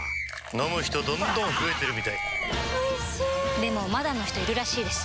飲む人どんどん増えてるみたいおいしでもまだの人いるらしいですよ